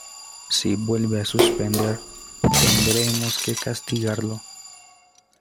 Si vuelve a suspender, tendremos que castigarlo.